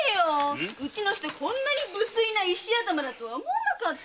うちの人こんなに不粋な石頭だとは思わなかったわ。